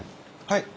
はい。